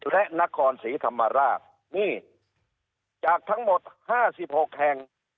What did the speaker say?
และนครศรีธรรมราชนี่จากทั้งหมด๕๖แห่ง